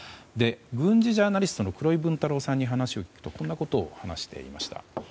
軍事ジャーナリストの黒井文太郎さんに話を聞くとこんなことを話していました。